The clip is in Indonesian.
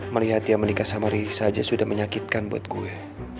melihat dia menikah sama riza aja sudah menyakitkan buat gue